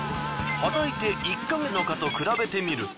働いて１ヵ月の方と比べてみると。